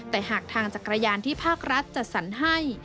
แต่หากทางจักรยานที่ภาครัฐจัดสรรให้